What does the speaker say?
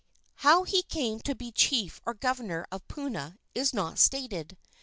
How he came to be chief or governor of Puna is not stated.